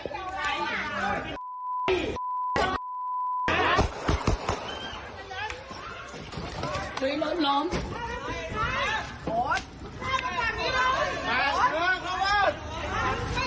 โอ๊ยโอ๊ยโอ๊ยโอ๊ย